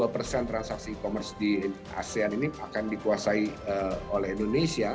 dua puluh persen transaksi e commerce di asean ini akan dikuasai oleh indonesia